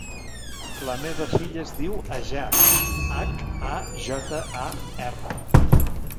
La meva filla es diu Hajar: hac, a, jota, a, erra.